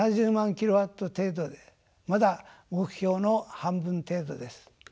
キロワット程度でまだ目標の半分程度です。